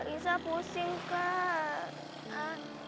risa pengen tidur